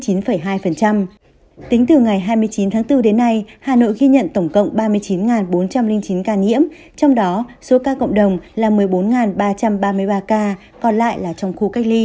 tính từ ngày hai mươi chín tháng bốn đến nay hà nội ghi nhận tổng cộng ba mươi chín bốn trăm linh chín ca nhiễm trong đó số ca cộng đồng là một mươi bốn ba trăm ba mươi ba ca còn lại là trong khu cách ly